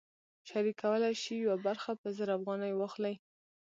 شریک کولی شي یوه برخه په زر افغانۍ واخلي